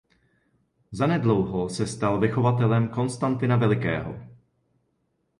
Za nedlouho se stal vychovatelem Konstantina Velikého.